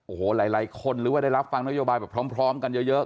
โอ้โหหลายคนหรือว่าได้รับฟังนโยบายแบบพร้อมกันเยอะ